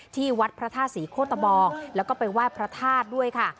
ที่วัดพระทาสีโคตบองแล้วก็ไปว่ายพระทาสด้วยค่ะ